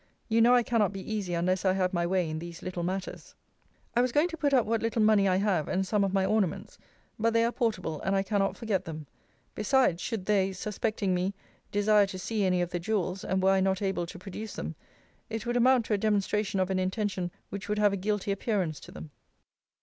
You know I cannot be easy unless I have my way in these little matters. I was going to put up what little money I have, and some of my ornaments; but they are portable, and I cannot forget them. Besides, should they (suspecting me) desire to see any of the jewels, and were I not able to produce them, it would amount to a demonstration of an intention which would have a guilty appearance to them.